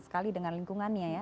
sekali dengan lingkungannya ya